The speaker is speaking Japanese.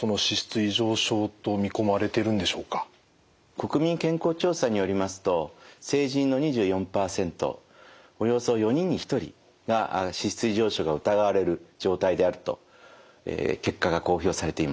国民健康調査によりますと成人の２４％およそ４人に１人が脂質異常症が疑われる状態であると結果が公表されています。